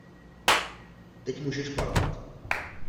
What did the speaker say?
Teď můžeš plakat.